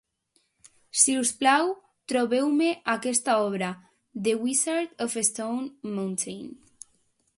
Si us plau, trobeu-me aquesta obra, "The Wizard of Stone Mountain".